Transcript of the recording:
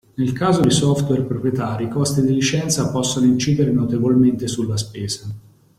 Nel caso di software proprietari i costi di licenza possono incidere notevolmente sulla spesa.